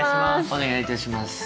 お願いいたします。